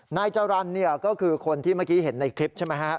นายจรรย์ก็คือคนที่เมื่อกี้เห็นในคลิปใช่ไหมฮะ